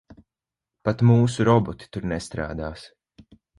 Pat mūsu roboti tur nestrādās.